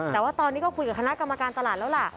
แต่ว่าตอนนี้ก็คุยกับคณะกรรมการตลาดแล้วล่ะ